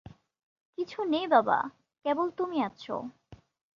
কিছু নেই বাবা, কেবল তুমি আছ।